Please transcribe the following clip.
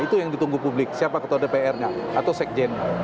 itu yang ditunggu publik siapa ketua dpr nya atau sekjennya